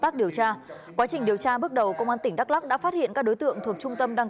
an quá trình điều tra bước đầu công an tỉnh đắk lắc đã phát hiện các đối tượng thuộc trung tâm đăng